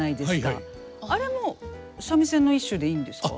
あれも三味線の一種でいいんですか？